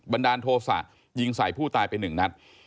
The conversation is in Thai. ดาลโทษะยิงใส่ผู้ตายไปหนึ่งนัด